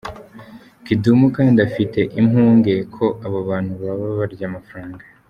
Kidum kandi afite impunge ko aba bantu baba barya amafaranga.